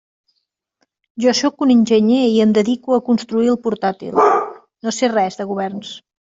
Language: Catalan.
Jo sóc un enginyer i em dedico a construir el portàtil, no sé res de governs.